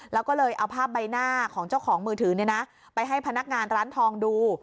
แล้วก็เลยเอาภาพใบหน้าของเจ้าของมือถือไปให้พนักงานร้านทองดู